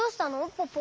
ポポ。